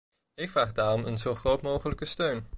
Ik vraag daarom een zo groot mogelijke steun.